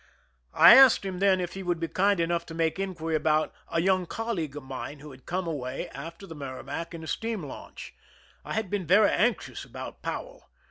I asked him then if he would be kind enough to make inquiry about a young colleague of mine who had come after the Merrimac in a steam launch. I had been very anx ious about Powell.